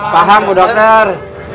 paham bu dokter